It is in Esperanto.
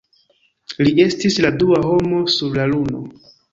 Li estis la dua homo sur la Luno.